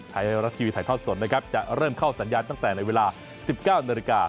ไทยรัฐทีวีถ่ายทอดสดนะครับจะเริ่มเข้าสัญญาณตั้งแต่ในเวลา๑๙นาฬิกา